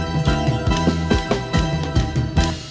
กลับไปที่นี่